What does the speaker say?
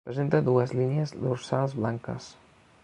Presenta dues línies dorsals blanques.